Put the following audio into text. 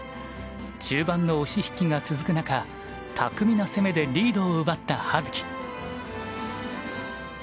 中盤の押し引きが続く中巧みな攻めでリードを奪った葉月。